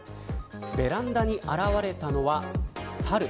ベランダに現れたのはサル。